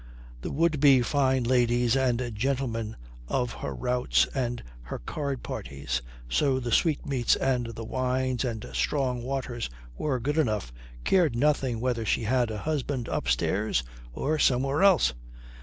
The would be fine ladies and gentlemen of her routs and her card parties, so the sweetmeats and the wines and strong waters were good enough, cared nothing whether she had a husband upstairs or somewhere else.